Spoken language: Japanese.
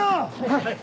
はい。